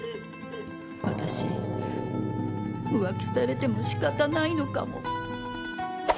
私、浮気されても仕方ないのかも。